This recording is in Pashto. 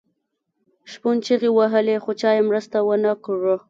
شپون چیغې وهلې خو چا یې مرسته ونه کړه.